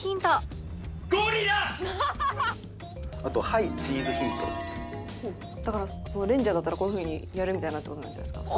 ゴリラ！だからレンジャーだったらこういうふうにやるみたいなって事なんじゃないですか？